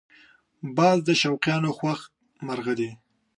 باز د شوقیانو خوښ مرغه دی